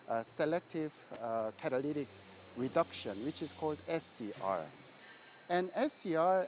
adalah pengurangan katalitik yang dikatakan scr